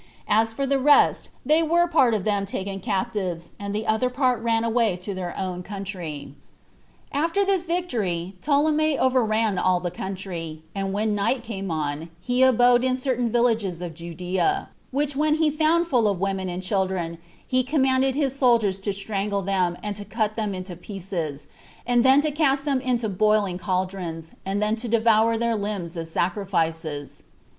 As for the rest, they were part of them taken captives, and the other part ran away to their own country. 6. After this victory, Ptolemy overran all the country; and when night came on, he abode in certain villages of Judea, which when he found full of women and children, he commanded his soldiers to strangle them, and to cut them in pieces, and then to cast them into boiling caldrons, and then to devour their limbs as sacrifices.